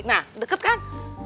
nah deket kan